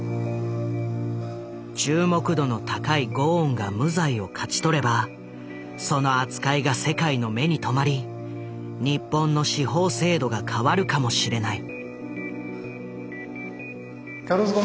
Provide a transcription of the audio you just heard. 注目度の高いゴーンが無罪を勝ち取ればその扱いが世界の目に留まり日本の司法制度が変わるかもしれない。